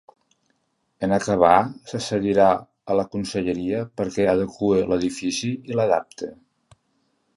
En acabar se cedirà a la conselleria perquè adeqüe l’edifici i l’adapte.